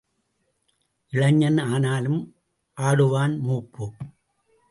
இளைஞன் ஆனாலும் ஆடுவான் மூப்பு.